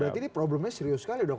berarti ini problemnya serius sekali dok